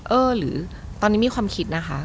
เออหรือตอนนี้มีความคิดนะคะ